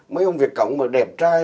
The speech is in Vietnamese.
mấy ông việt cộng mà đẹp trai